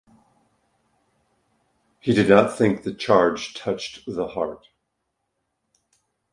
He did not think the charge touched the heart.